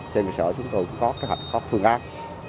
trên sở chúng tôi cũng có cái hệ thống phương ác